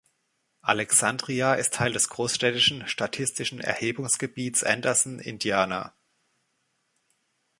Alexandria ist Teil des großstädtischen statistischen Erhebungsgebiets Anderson, Indiana.